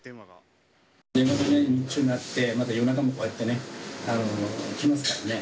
電話が日中鳴って、まだ夜中もこうやってね、来ますからね。